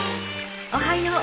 おはよう。